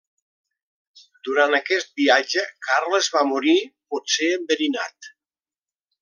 Durant aquest viatge Carles va morir, potser enverinat.